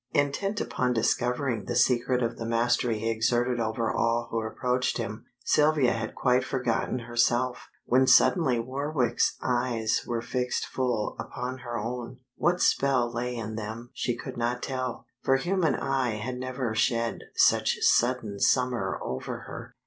Intent upon discovering the secret of the mastery he exerted over all who approached him, Sylvia had quite forgotten herself, when suddenly Warwick's eyes were fixed full upon her own. What spell lay in them she could not tell, for human eye had never shed such sudden summer over her.